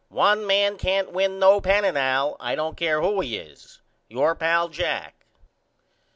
One man can't win no pennant Al I don't care who he is. Your pal, JACK.